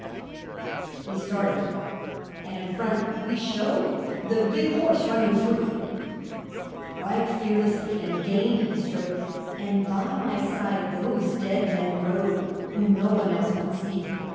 'We started, and in front we showed, The big horse running free: Right fearlessly and game he strode, And by my side those dead men rode Whom no one else could see.